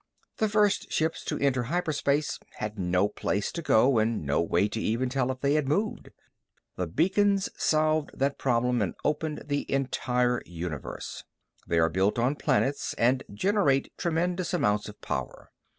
The first ships to enter hyperspace had no place to go and no way to even tell if they had moved. The beacons solved that problem and opened the entire universe. They are built on planets and generate tremendous amounts of power.